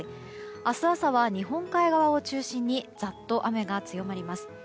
明日朝は日本海側を中心にざっと雨が強まります。